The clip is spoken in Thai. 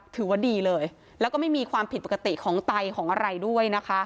ถือว่าดีเลยแล้วก็ไม่มีความผิดปกติของไตของอะไรด้วยนะคะ